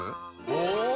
お！